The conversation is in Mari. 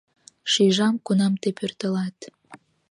Шижам, кунам тый пöртылат.